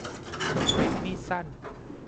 ฤทธิ์มีดสั้น